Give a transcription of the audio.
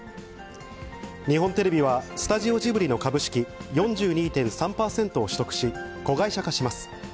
日本テレビはスタジオジブリの株式４２．３％を取得し、子会社化します。